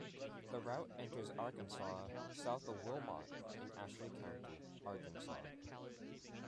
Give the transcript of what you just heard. The route enters Arkansas south of Wilmot in Ashley County, Arkansas.